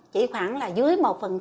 chỉ khoảng là dưới một